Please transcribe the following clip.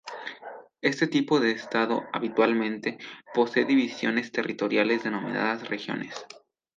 Este tipo de estado, habitualmente, posee divisiones territoriales denominadas regiones.